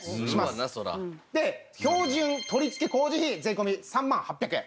で標準取付工事費税込３万８００円。